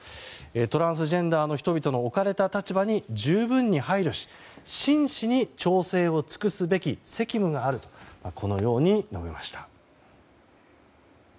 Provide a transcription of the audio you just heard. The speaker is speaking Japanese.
トランスジェンダーの人々の置かれた立場に十分に配慮し真摯に調整を尽くすべき責務があるとこのように述べました。